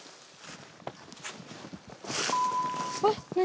あっ何何？